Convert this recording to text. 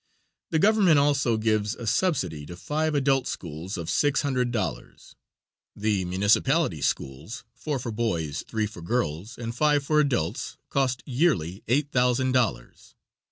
The government also gives a subsidy to five adult schools of six hundred dollars. The municipality schools, four for boys, three for girls and five for adults, cost yearly eight thousand dollars.